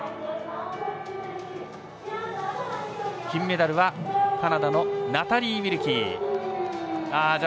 金メダルはカナダのナタリー・ウィルキー。